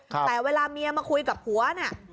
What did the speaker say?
แต่เวลาเมียมาคุยกับผัวเนี่ย